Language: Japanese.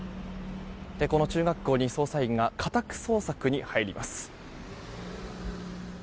この中学校に捜査員が家宅捜索に入ります。